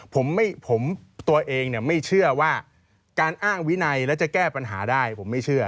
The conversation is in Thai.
ผมตัวเองเนี่ยไม่เชื่อว่าการอ้างวินัยแล้วจะแก้ปัญหาได้ผมไม่เชื่อ